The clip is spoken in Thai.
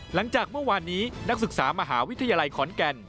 หลังจากเมื่อวานนี้นักศึกษามหาวิทยาลัยขอนแก่น